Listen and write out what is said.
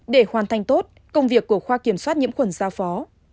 để hoàn thành tốt công việc của khoa kiểm soát nhiễm khuẩn giao phó